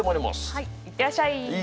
はい行ってらっしゃい。